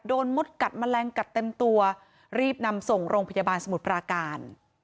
มดกัดแมลงกัดเต็มตัวรีบนำส่งโรงพยาบาลสมุทรปราการ